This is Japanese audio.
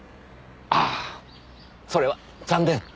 ああそれは残念！